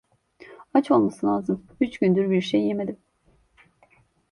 Aç olması lazım… Üç gündür bir şey yemedim.